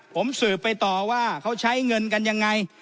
ผมสืบไปต่อว่าเขาใช้เงินกันยังไง